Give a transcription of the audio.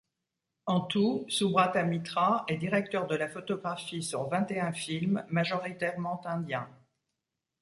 En tout, Subrata Mitra est directeur de la photographie sur vingt-et-un films, majoritairement indiens.